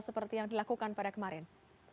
seperti yang dilakukan pada kemarin